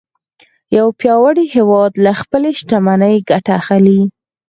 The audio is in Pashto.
یو پیاوړی هیواد له خپلې شتمنۍ ګټه اخلي